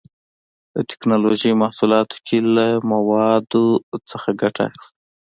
د ټېکنالوجۍ محصولاتو کې له موادو څخه ګټه اخیستنه